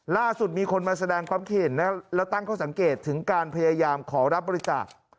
ล่าสุดมีคนมาแสดงความเห็นแล้วตั้งข้อสังเกตถึงการพยายามขอรับบริจาค